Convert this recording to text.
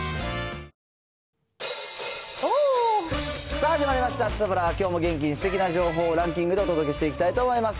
さあ、始まりました、サタプラ、きょうも元気にすてきな情報をランキングでお届けしていきたいと思います。